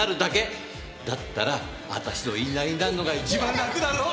だったら私の言いなりになるのが一番楽だろう？